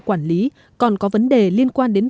quản lý còn có vấn đề liên quan đến